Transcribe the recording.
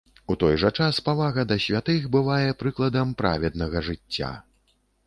У той жа час павага да святых бывае прыкладам праведнага жыцця.